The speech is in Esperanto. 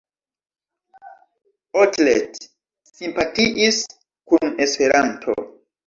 Otlet simpatiis kun Esperanto.